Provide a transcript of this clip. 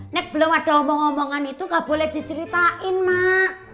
nek belum ada omong omongan itu gak boleh diceritain mak